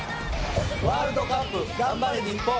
ワールドカップ頑張れ日本！